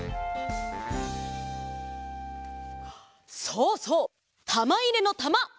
そうそう！たまいれのたま！